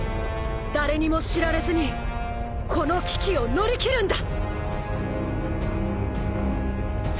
誰にも知られずにこの危機を乗り切るんだ。